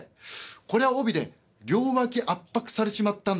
こりゃ帯で両ワキ圧迫されちまったね。